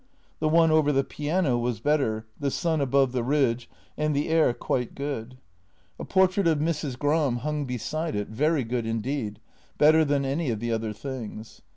The one over the piano was better, the sun above the ridge and the air quite good. A portrait of Mrs. JENNY 132 Gram hung beside it — very good indeed — better than any of the other things.